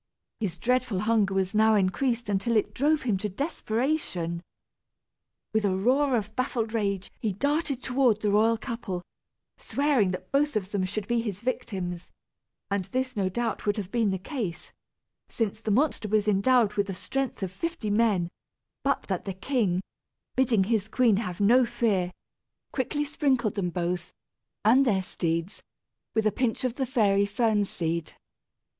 His dreadful hunger was now increased until it drove him to desperation. With a roar of baffled rage he darted toward the royal couple, swearing that both of them should be his victims; and this no doubt would have been the case since the monster was endowed with the strength of fifty men but that the king, bidding his queen have no fear, quickly sprinkled them both, and their steeds, with a pinch of the fairy fern seed.